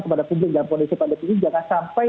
kepada publik dan polisi pada publik jangan sampai